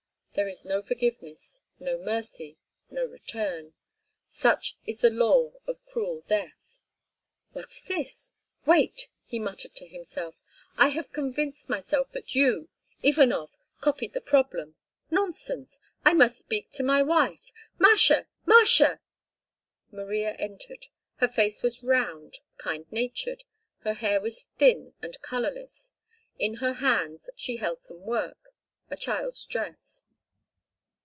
There is no forgiveness, no mercy, no return—such is the law of cruel death. "What's this? Wait," he muttered to himself. "I have convinced myself that you, Ivanov, copied the problem—nonsense! I must speak to my wife. Masha! Masha!" Maria entered. Her face was round, kind natured; her hair was thin and colourless. In her hands she held some work—a child's dress.